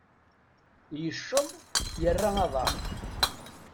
Yecceḍ, yerra aḍar.